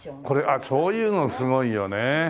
あっそういうのすごいよね。